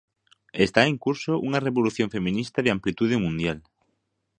Está en curso unha revolución feminista de amplitude mundial.